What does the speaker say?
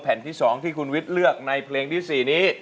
แผ่นที่สองที่คุณวิทย์เลือกในเพลงที่สี่นี้